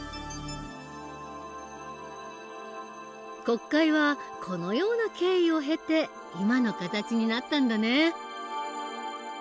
国会はこのような経緯を経て今の形になったんだね。